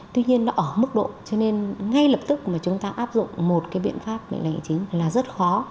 tuy nhiên nó ở mức độ cho nên ngay lập tức mà chúng ta áp dụng một cái biện pháp mệnh lệnh hành chính là rất khó